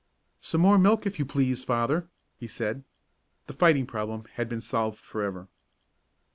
"Some more milk, if you please, father," he said. The fighting problem had been solved forever.